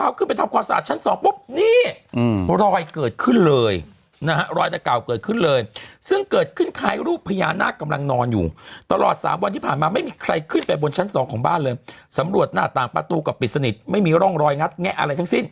ผ่านไปทำความสะอัดชั้นสองครึ่งนี้นี่รอยเกิดขึ้นเลยนะฮะรอยกะเก่าเกิดขึ้นเลย